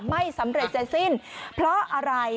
ไม่สำเร็จจะสิ้นเพราะอะไร